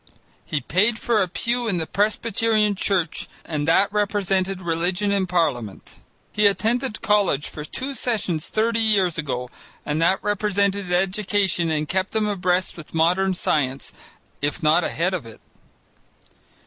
He paid for a pew in the Presbyterian Church and that represented religion in Parliament. He attended college for two sessions thirty years ago, and that represented education and kept him abreast with modern science, if not ahead of it.